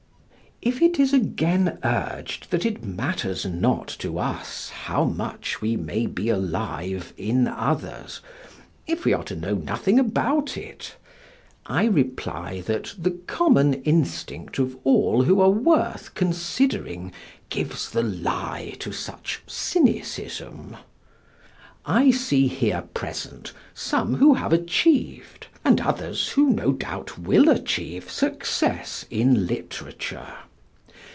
If it is again urged that it matters not to us how much we may be alive in others, if we are to know nothing about it, I reply that the common instinct of all who are worth considering gives the lie to such cynicism. I see here present some who have achieved, and others who no doubt will achieve, success in literature.